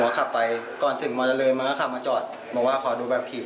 ขับไปก่อนถึงมอเจริญมันก็ขับมาจอดบอกว่าขอดูแบบขี่